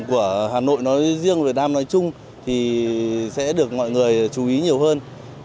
của hà nội nói riêng và nam nói chung thì sẽ được mọi người chú ý nhiều hơn